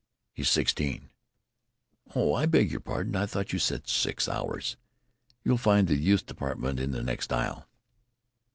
"He's sixteen." "Oh, I beg your pardon. I thought you said six hours. You'll find the youths' department in the next aisle."